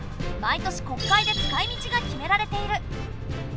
毎年国会で使いみちが決められている。